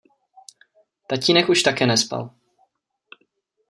Tatínek už také nespal.